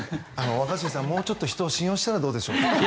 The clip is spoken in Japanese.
若新さんもうちょっと人を信用したらどうでしょうか。